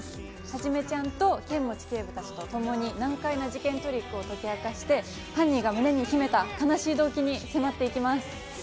はじめちゃんと剣持警部たちとともに難解な事件トリックを解き明かして、犯人が胸に秘めた悲しい動機に迫っていきます。